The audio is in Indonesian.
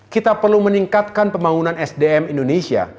kita perlu meningkatkan pembangunan sdm indonesia